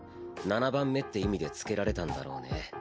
７番目って意味で付けられたんだろうね。